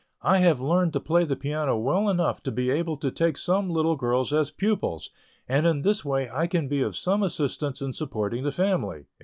I have learned to play the piano well enough to be able to take some little girls as pupils, and in this way I can be of some assistance in supporting the family."